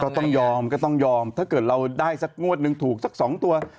ต้องยอมก็ต้องยอมถ้าเกิดเราได้สักงวดหนึ่งถูกสัก๒ตัว